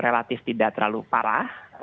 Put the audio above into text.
relatif tidak terlalu parah